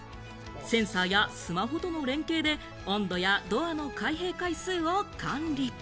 センサーやスマホとの連携で、温度やドアの開閉回数を管理。